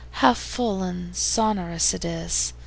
"How full and sonorous it is!